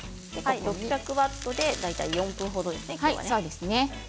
６００ワットで大体４分程ですね。